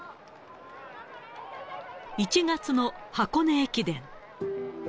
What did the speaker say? １月の箱根駅伝。